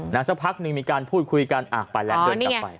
แล้วสักพักนึงมีการพูดคุยกันไปแล้วเดินกลับไป